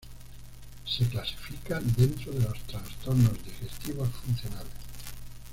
Se clasifica dentro de los trastornos digestivos funcionales.